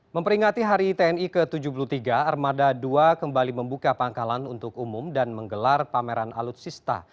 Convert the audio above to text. memperingati hari tni ke tujuh puluh tiga armada dua kembali membuka pangkalan untuk umum dan menggelar pameran alutsista